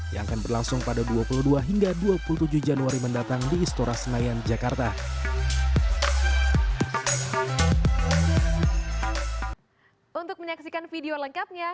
yang akan berlangsung pada dua puluh dua hingga dua puluh tujuh januari mendatang di istora senayan jakarta